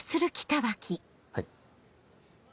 はい。